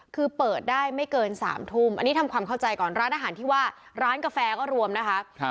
คือเปิดได้ไม่เกิน๓ทุ่มอันนี้ทำความเข้าใจก่อนร้านอาหารที่ว่าร้านกาแฟก็รวมนะคะ